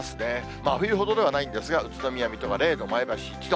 真冬ほどではないんですが、宇都宮、水戸が０度、前橋１度。